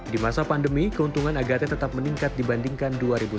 di masa pandemi keuntungan agate tetap meningkat dibandingkan dua ribu sembilan belas